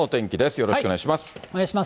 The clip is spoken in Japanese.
よろしくお願いします。